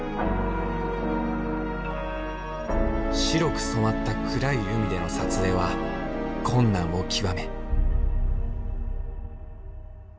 白く染まった暗い海での撮影は困難を極め。